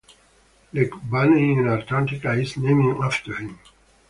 Lake Bonney in Antarctica is named after him.